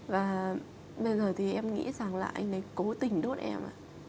và bây giờ thì em nghĩ rằng là anh ấy cố tình đốt em ạ